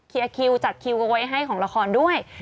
คลีย์คิวจัดคิวไว้ให้ของละครด้วย